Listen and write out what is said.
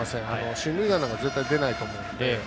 進塁打なんて絶対出ないと思うので。